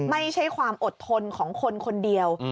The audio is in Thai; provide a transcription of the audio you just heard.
ไม่ใช่ความอดทนของคนคนเดียว